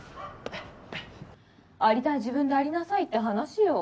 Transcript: ありたい自分でありなさいって話よ。